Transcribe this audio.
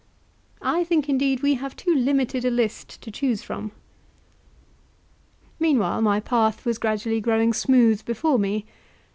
I think, indeed, we have too limited a list to choose from. Meantime my path was gradually growing smooth before me.